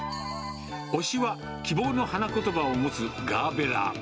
推しは希望の花ことばを持つガーベラ。